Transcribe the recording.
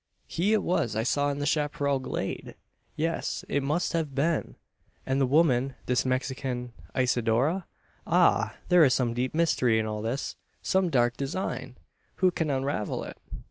"He it was I saw in the chapparal glade! Yes, it must have been! And the woman this Mexican Isidora? Ah! There is some deep mystery in all this some dark design! Who can unravel it?"